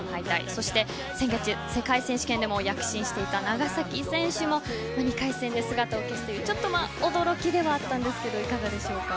そして先月、世界選手権でも躍進していた長崎選手も２回戦で姿を消して驚きではあったんですけどいかがですか。